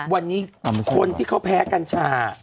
วันนี้คนที่เขาแพ้กัญชา